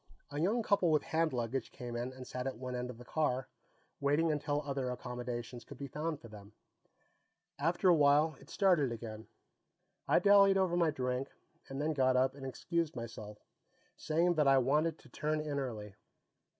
A young couple with hand luggage came in and sat at one end of the car, waiting until other accommodations could be found for them. After a while, it started again. I dallied over my drink, and then got up and excused myself, saying that I wanted to turn in early.